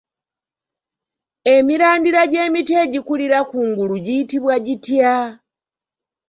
Emirandira gy'emiti egikulira kungulu giyitibwa gitya?